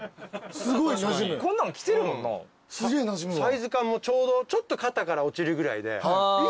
サイズ感もちょうどちょっと肩から落ちるぐらいで。